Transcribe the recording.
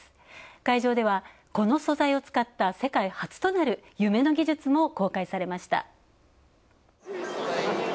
会場では、この素材を使った世界初となる夢の技術も公開されました。